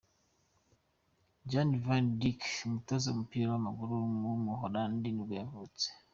Jan van Dijk, umutoza w’umupira w’amaguru w’umuholandi nibwo yavutse.